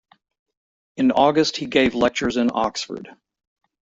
In August he gave lectures in Oxford.